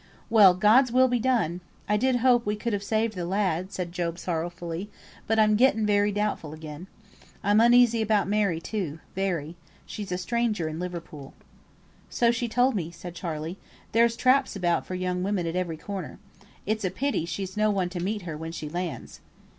"Well, God's will be done! I did hope we could have saved the lad," said Job, sorrowfully; "but I'm getten very doubtful again. I'm uneasy about Mary, too, very. She's a stranger in Liverpool." "So she told me," said Charley. "There's traps about for young women at every corner. It's a pity she's no one to meet her when she lands."